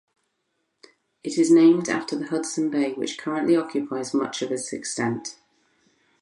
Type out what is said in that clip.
It is named after the Hudson Bay, which currently occupies much of its extent.